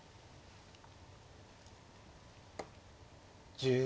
１０秒。